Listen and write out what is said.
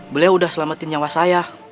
beliau udah selamatin nyawa saya